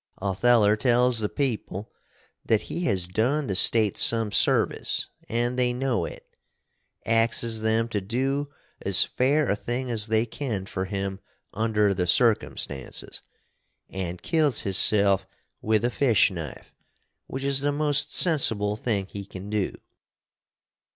Otheller tells the peple that he has dun the state some service & they know it; axes them to do as fair a thing as they can for him under the circumstances, & kills hisself with a fish knife, which is the most sensible thing he can do.